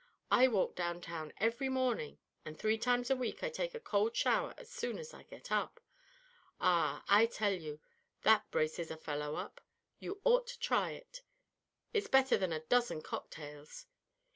I walk downtown every morning, and three times a week I take a cold shower as soon as I get up. Ah, I tell you, that braces a fellow up; you ought to try it; it's better than a dozen cocktails.